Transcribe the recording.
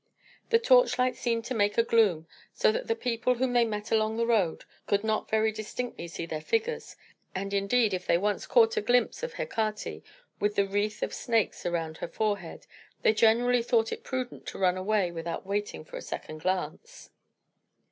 The torchlight seemed to make a gloom; so that the people whom they met along the road could not very distinctly see their figures; and, indeed, if they once caught a glimpse of Hecate, with the wreath of snakes round her forehead, they generally thought it prudent to run away without waiting for a second glance.